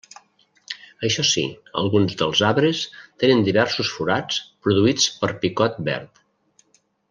Això sí, alguns dels arbres tenen diversos forats produïts per picot verd.